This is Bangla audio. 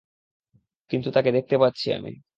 কিন্তু তাকে দেখতে পাচ্ছি আমি।